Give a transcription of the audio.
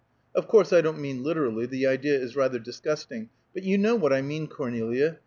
"Of course, I don't mean literally; the idea is rather disgusting; but you know what I mean, Cornelia.